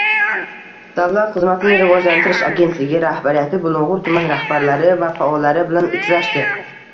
Davlat xizmatini rivojlantirish agentligi rahbariyati Bulung‘ur tuman rahbarlari va faollari bilan uchrashdi